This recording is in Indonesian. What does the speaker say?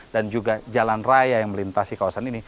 dan juga jalan raya yang melintasi kawasan ini